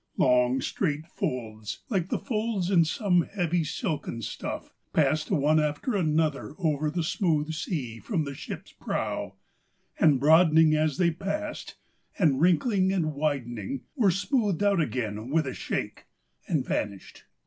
Long, straight folds, like the folds in some heavy silken stuff, passed one after another over the sea from the ship's prow, and broadening as they passed, and wrinkling and widening, were smoothed out again with a shake, and vanished.